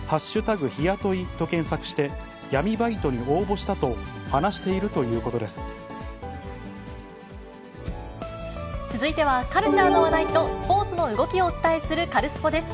日雇いと検索して、闇バイトに応募したと話している続いては、カルチャーの話題とスポーツの動きをお伝えするカルスポっ！です。